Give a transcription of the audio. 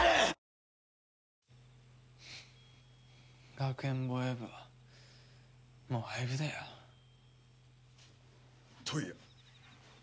学園防衛部はもう廃部だよ。といやっ。